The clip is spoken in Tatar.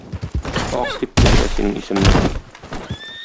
Ак, дип, дәшә синең исемне.